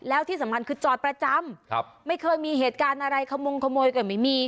แล้วที่สำคัญคือจอดประจำครับไม่เคยมีเหตุการณ์อะไรขโมงขโมยก็ไม่มี